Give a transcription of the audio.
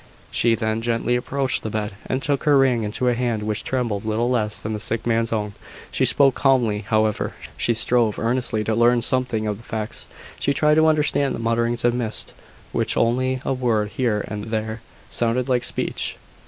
She then gently approached the bed, and took her ring into a hand which trembled little less than the sick man's own. She spoke calmly, however. She strove earnestly to learn something of the facts: she tried to understand the mutterings amidst which only a word here and there sounded like speech.